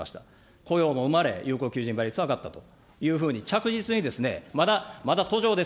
雇用も生まれ、有効求人倍率も上がったというふうに、着実に、まだ、まだ途上です。